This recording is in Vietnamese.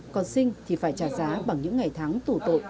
còn sinh thì phải trả giá bằng những ngày tháng tù tội